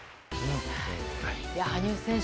羽生選手